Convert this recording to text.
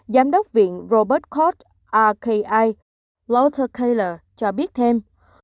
giám đốc viện robert court rki walter taylor cho biết thêm